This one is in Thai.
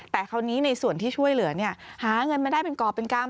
แต่คราวนี้ในส่วนที่ช่วยเหลือเนี่ยหาเงินมาได้เป็นกรอบเป็นกรรม